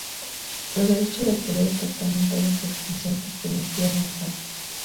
Los derechos del poder estatal en toda su extensión pertenecían al zar.